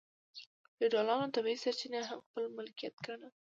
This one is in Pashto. فیوډالانو طبیعي سرچینې هم خپل ملکیت ګاڼه.